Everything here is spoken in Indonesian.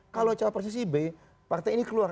kalau cawapresnya si b partai ini keluar